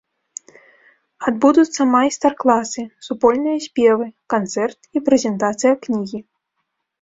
Адбудуцца майстар-класы, супольныя спевы, канцэрт і прэзентацыя кнігі.